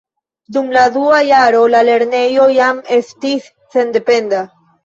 Dum la dua jaro la lernejo jam estis sendependa.